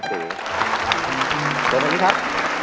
ตรงนี้ครับ